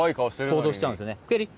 行動しちゃうんですね。